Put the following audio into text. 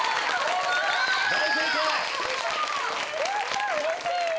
やったうれしい。